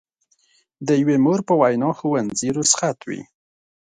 د یوې مور په وینا ښوونځي رخصت وي.